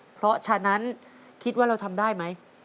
เพราะฉะนั้นคิดว่าเราทำได้ไหม